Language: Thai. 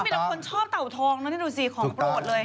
มีแต่คนชอบเต่าทองนะนี่ดูสิของโปรดเลย